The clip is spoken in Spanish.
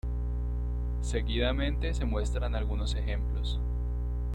Seguidamente se muestran algunos ejemplos.